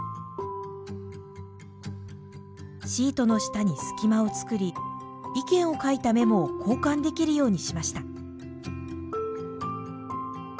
シートの下に隙間を作り意見を書いたメモを交換できるようにしました。